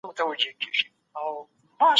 څوک غواړي کډوال په بشپړ ډول کنټرول کړي؟